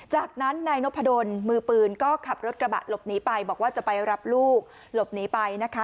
จากนั้นนายนพดลมือปืนก็ขับรถกระบะหลบหนีไปบอกว่าจะไปรับลูกหลบหนีไปนะคะ